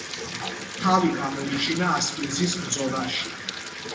თავი გამოიჩინა ასპინძის ბრძოლაში.